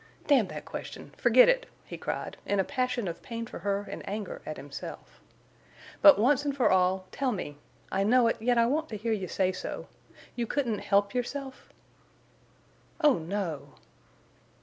"D—n that question!—forget it!" he cried, in a passion of pain for her and anger at himself. "But once and for all—tell me—I know it, yet I want to hear you say so—you couldn't help yourself?" "Oh no."